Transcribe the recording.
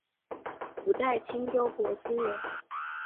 五代青州博兴人。